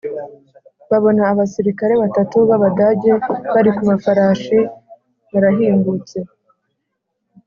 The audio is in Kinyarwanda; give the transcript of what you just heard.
babona abasirikare batatu b Abadage bari ku mafarashi barahingutse